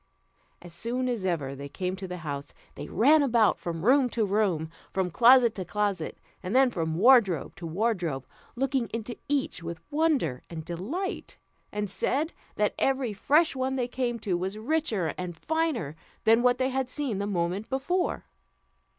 As soon as ever they came to the house, they ran about from room to room, from closet to closet, and then from wardrobe to wardrobe, looking into each with wonder and delight, and said, that every fresh one they came to, was richer and finer than what they had seen the moment before.